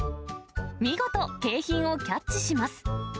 見事、景品をキャッチします。